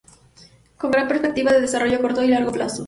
Con gran perspectiva de desarrollo a corto y largo plazo.